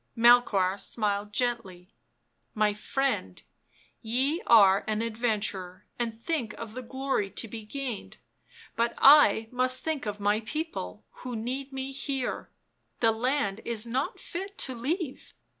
Melchoir smiled gently. " My friend, ye arc an adventurer, and think of the glory to be gained— but I must think of my people who need me ' here — the land is not fit to leave.